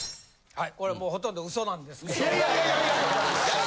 はい。